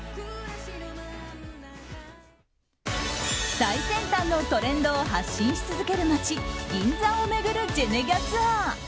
最先端のトレンドを発信し続ける街・銀座を巡るジェネギャツアー。